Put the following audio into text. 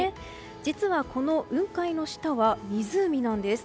実は、この雲海の下は湖なんです。